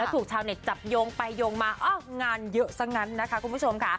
แล้วถูกเฉาเน็ตจับโยงไปโยงมาอ้อก้างานเยอะซะงันนะคะคุณผู้ชมค่ะ